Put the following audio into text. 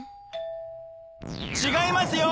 違いますよ！